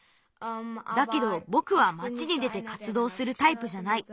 だけどぼくはまちに出てかつどうするタイプじゃない。